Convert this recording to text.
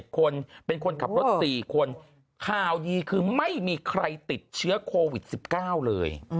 ก็๔คนข่าวดีคือไม่มีใครติดเชื้อโควิด๑๙เลย